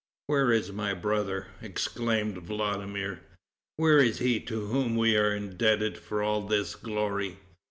"Where is my brother?" exclaimed Vladimir; "where is he to whom we are indebted for all this glory?"